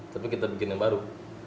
tapi kita bikin yang baru